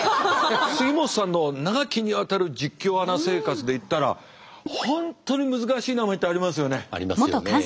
杉本さんの長きにわたる実況アナ生活で言ったら本当に難しい名前ってありますよね。ありますよね。